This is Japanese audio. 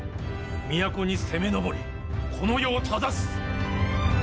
都に攻め上りこの世を正す。